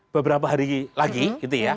beberapa hari lagi gitu ya